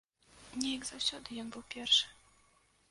Неяк заўсёды ён быў першы.